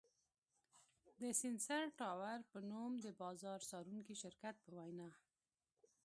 د سېنسر ټاور په نوم د بازار څارونکي شرکت په وینا